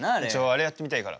あれやってみたいから。